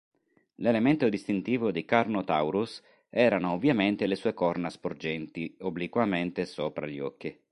L'elemento distintivo di "Carnotaurus" erano ovviamente le sue corna sporgenti obliquamente sopra gli occhi.